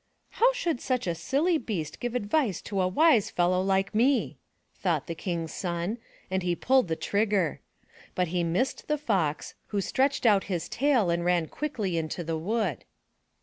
*' How should such a silly beast give advice to a wise fellow like me?'* thought the King's son, and he pulled the trigger. But he missed the Fox, who stretched out his tail and ran quickly into the wood.